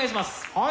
はい。